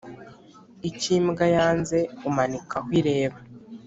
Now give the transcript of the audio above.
Icyo imbwa yanze umanika aho ireba.